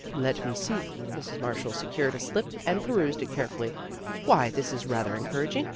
" Let me see," Mrs. Marshall secured a slip, and perused it carefully. " Why, this is rather encouraging.